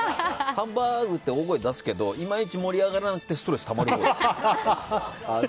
ハンバーグ！って大声出すけどいまいち盛り上がらなくてストレスたまります。